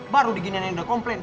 baru diginianin udah komplain